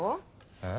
えっ？